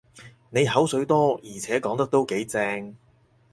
你口水多，而且講得都幾正